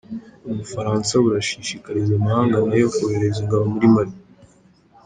U Bufaransa burashishikariza amahanga nayo kohereza ingabo muri Mali